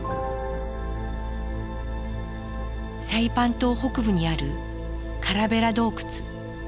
サイパン島北部にあるカラベラ洞窟。